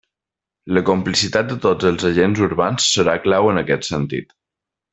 La complicitat de tots els agents urbans serà clau en aquest sentit.